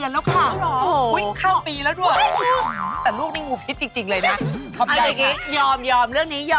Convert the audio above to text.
นักพยากรภายยิปซีอันดับหนึ่งของเมืองไทย